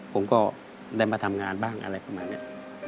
ผมก็ได้มาทำงานบ้างอะไรประมาณนี้